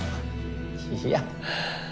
いや。